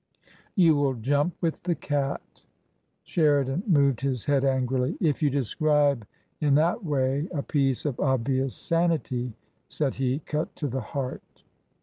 "" You will jump with the cat !" Sheridan moved his head angrily. " If you describe in that way a piece of obvious sanity," said he, cut to the heart.